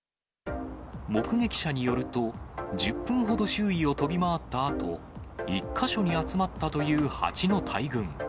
目撃者によると、１０分ほど周囲を飛び回ったあと、１か所に集まったという蜂の大群。